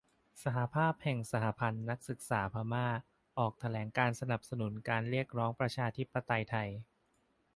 สหภาพแห่งสหพันธ์นักศึกษาพม่า ออกแถลงการณ์สนับสนุนการเรียกร้องประชาธิปไตยไทย